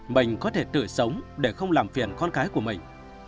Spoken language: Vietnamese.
mình có thể tử sống để không làm phiền con cái của mình